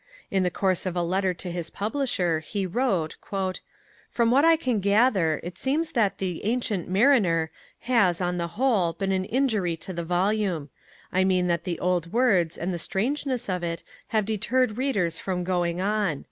In the course of a letter to his publisher, he wrote: From what I can gather it seems that The Ancyent Marinere has, on the whole, been an injury to the volume; I mean that the old words and the strangeness of it have deterred readers from going on.